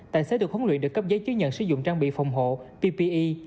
tài xế được huấn luyện được cấp giấy chứng nhận sử dụng trang bị phòng hộ ppe